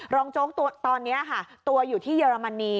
โจ๊กตอนนี้ค่ะตัวอยู่ที่เยอรมนี